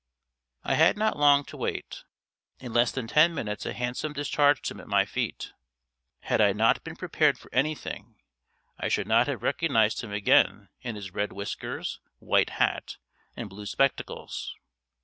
I had not long to wait. In less than ten minutes a hansom discharged him at my feet. Had I not been prepared for anything, I should not have recognised him again in his red whiskers, white hat, and blue spectacles.